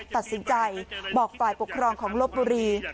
ตัดสินใจบอกฝ่ายปกครองของลบบุรี